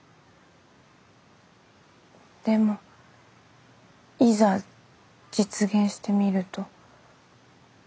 でもいざ実現してみると。